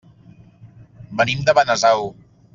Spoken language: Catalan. Venim de Benasau.